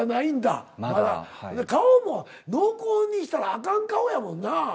顔も濃厚にしたらあかん顔やもんな。